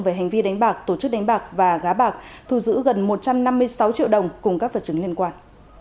về hành vi đánh bạc tổ chức đánh bạc và gá bạc thu giữ gần một trăm năm mươi sáu triệu đồng cùng các vật chứng liên quan